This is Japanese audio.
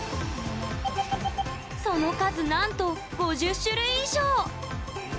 その数なんと５０種類以上！